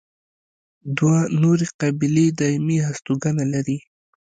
دوه نورې قبیلې دایمي هستوګنه لري.